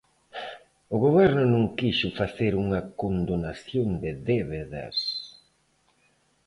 O goberno non quixo facer unha condonación de débedas.